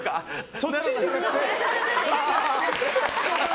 そっち？